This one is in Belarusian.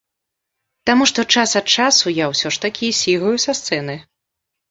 Таму што час ад часу я ўсё ж такі сігаю са сцэны.